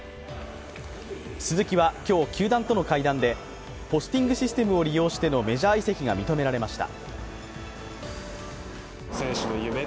鈴木は今日、球団との会談でポスティングシステムを利用してのメジャー移籍が認められました。